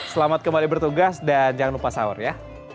selamat kembali bertugas dan jangan lupa sahur ya